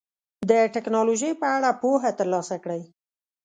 د ټکنالوژۍ په اړه پوهه ترلاسه کړئ.